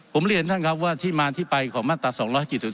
ผมเรียนท่านครับว่าที่มาที่ไปของมาตรา๒๗๒